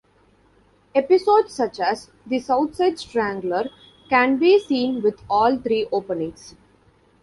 Episodes such as "The Southside Strangler" can be seen with all three openings.